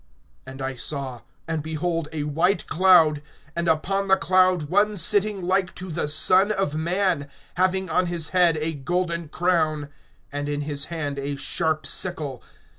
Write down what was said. (14)And I saw, and behold a white cloud, and upon the cloud one sitting like to the Son of man, having on his head a golden crown, and in his hand a sharp sickle.